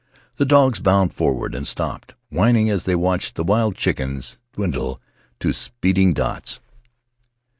The dogs bounded forward and stopped, whining as they watched the wild chickens dwindle to speeding dots.